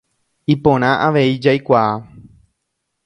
Iporã avei jaikuaa.